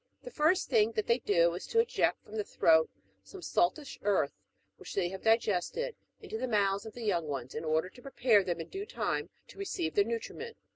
The first thing that they do is to eject from the throat some saltish earth, which they have digested, into the mouths of the young ones, in order to prepare them in due time to re ceive their nutriment.